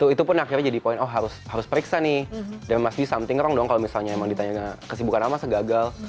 itu pun akhirnya jadi poin oh harus periksa nih dari mas d something wrong dong kalau misalnya emang ditanya kesibukan apa masa gagal